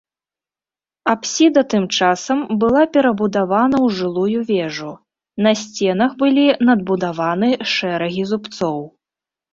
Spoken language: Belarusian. Апсіда тым часам была перабудавана ў жылую вежу, на сценах былі надбудаваны шэрагі зубцоў.